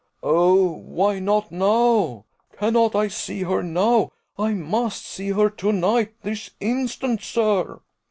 "Oh, why not now? Cannot I see her now? I must see her to night this instant, sir!"